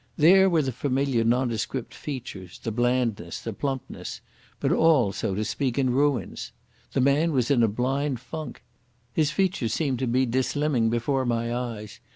There were the familiar nondescript features, the blandness, the plumpness, but all, so to speak, in ruins. The man was in a blind funk. His features seemed to be dislimning before my eyes.